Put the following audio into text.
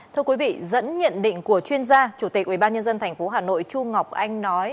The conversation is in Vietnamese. thưa quý vị dẫn nhận định của chuyên gia chủ tịch ubnd tp hcm chu ngọc anh nói